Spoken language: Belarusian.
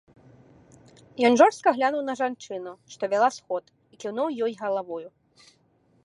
Ён жорстка глянуў на жанчыну, што вяла сход, і кіўнуў ёй галавою.